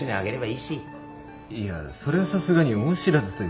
いやそれはさすがに恩知らずというか。